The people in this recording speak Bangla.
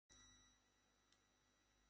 আমাদের কি আগে দেখা হয়েছিল?